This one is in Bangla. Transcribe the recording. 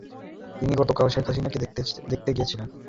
ওটা জ্ঞান হলে দেখতে পাওয়া যায়।